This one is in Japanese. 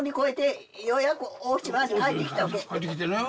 帰ってきてるよ。